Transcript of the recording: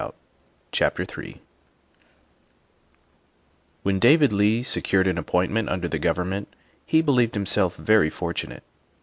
30 THE WIFE OF III WHEN David Leigh secured an appointment under the government he believed himself very fortunate.